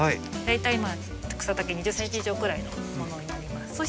大体草丈２０ｃｍ以上くらいのものになります。